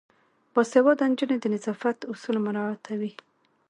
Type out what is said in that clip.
باسواده نجونې د نظافت اصول مراعاتوي.